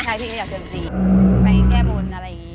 ไปแก้บนอะไรอย่างนี้